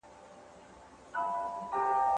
تاسو ولي په دغه پاڼې کي خپل نوم نه لیکئ؟